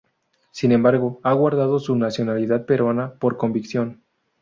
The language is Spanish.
Sin embargo, ha guardado su nacionalidad peruana por convicción.